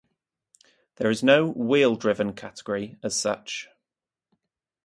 There is no "wheel-driven" category as such.